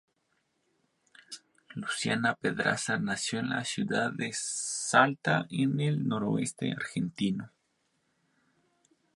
Luciana Pedraza nació en la ciudad de Salta, en el Noroeste argentino.